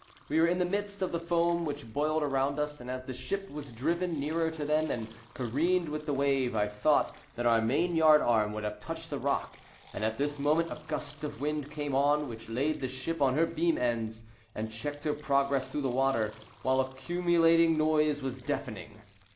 We were in the midst of the foam, which boiled around us; and as the ship was driven nearer to them, and careened with the wave, I thought that our main yard arm would have touched the rock; and at this moment a gust of wind came on, which laid the ship on her beam ends, and checked her progress through the water, while the accumulating noise was deafening.